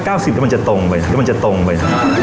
เพราะถ้า๙๐มันจะตรงไปมันจะตรงไป